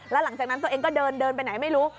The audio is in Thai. แล้วหลังจากนั้นตัวเองก็เดินไปไหนไม่รู้